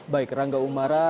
baik rangga umara